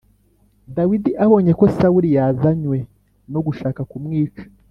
Dawidi abonye ko Sawuli yazanywe no gushaka kumwica